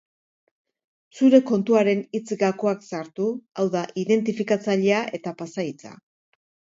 Zure kontuaren hitz-gakoak sartu, hau da, identifikatzailea eta pasahitza.